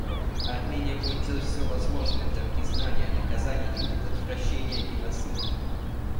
Армения будет делать все возможное для признания, наказания и предотвращения геноцида.